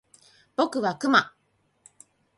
僕はクマ